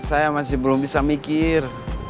saya masih belum bisa mikir